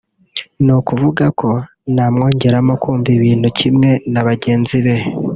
ni ukuvuga ko namwongeramo kumva ibintu kimwe na bagenzi be